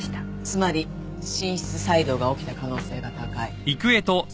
つまり心室細動が起きた可能性が高い。